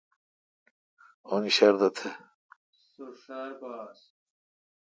اون شردہ تھ۔